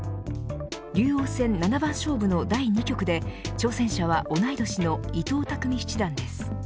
竜王戦七番勝負の第２局で挑戦者は同い年の伊藤匠七段です。